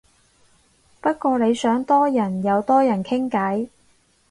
不過你想多人又多人傾偈